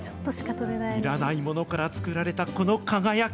いらないものから作られたこの輝き。